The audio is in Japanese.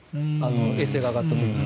衛星が上がった時に。